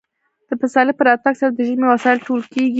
د پسرلي په راتګ سره د ژمي وسایل ټول کیږي